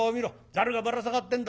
ざるがぶら下がってんだろ。